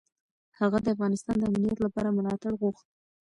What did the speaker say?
هغه د افغانستان د امنیت لپاره ملاتړ غوښت.